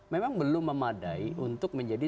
memang belum memadai untuk menjadi